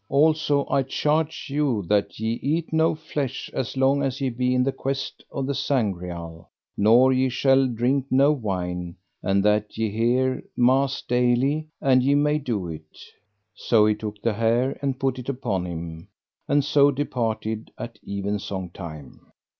Also I charge you that ye eat no flesh as long as ye be in the quest of the Sangreal, nor ye shall drink no wine, and that ye hear mass daily an ye may do it. So he took the hair and put it upon him, and so departed at evensong time.